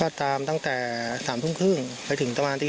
ก็ตามตั้งแต่๓ทุ่มหึ้งไปถึงตระวันที่๔